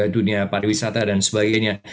dunia pariwisata dan sebagainya